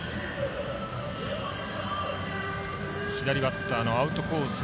左バッターのアウトコース